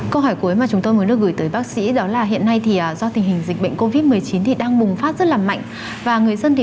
câu hỏi cuối mà chúng tôi muốn được gửi tới bác sĩ đó là hiện nay thì do tình hình dịch bệnh covid một mươi chín